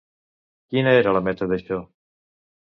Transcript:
Quina era la meta d'això?